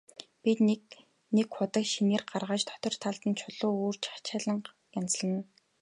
Бид нэг худаг шинээр гаргаж, дотор талд нь чулуу өрж хашаалан янзаллаа.